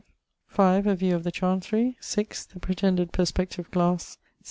A view of the chancery. 6. The pretended perspective glasse.